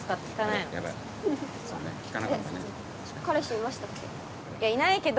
いやいないけど。